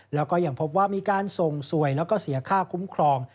แล้วก็ยังพบว่ามีการส่งสวยแล้วก็เสียค่าคุ้มครอง